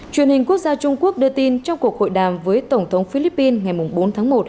truyền hình quốc gia trung quốc đưa tin trong cuộc hội đàm với tổng thống philippines ngày bốn tháng một